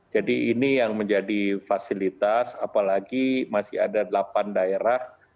jadi ini yang menjadi fasilitas apalagi masih ada delapan daerah